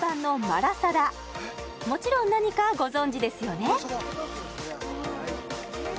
もちろん何かご存じですよね？